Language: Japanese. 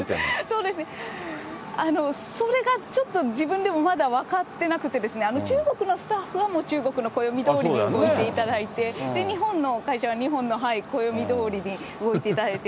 そうですね、それがちょっと自分でもまだ分かってなくてですね、中国のスタッフは、もう中国の暦どおりに動いていて、日本の会社は日本の暦どおりに動いていただいて。